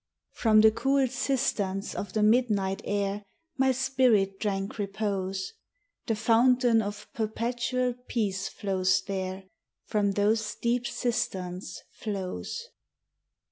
From the cool cisterns of the midnight air My spirit drank repose; The fountain of perpetual peace flows there, — From those deep cisterns flows.